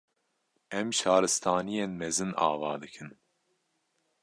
Em Şaristaniyên mezin ava dikin